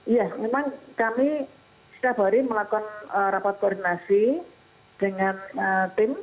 iya memang kami setiap hari melakukan rapat koordinasi dengan tim